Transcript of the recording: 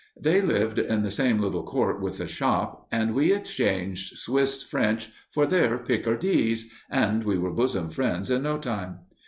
They lived in the same little court with the shop, and we exchanged Swiss French for their Picardese and were bosom friends in no time.